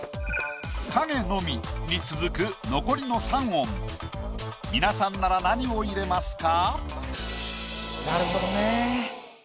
「影のみ」に続く残りの３音皆さんなら何を入れますか？